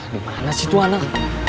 dimana sih tuh anak